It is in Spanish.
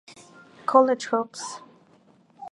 College Hoops".